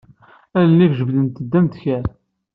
Allen-ik jebbdent am ddkir.